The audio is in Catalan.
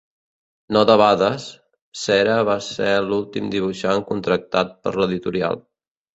No debades, Cera va ser l'últim dibuixant contractat per l'editorial.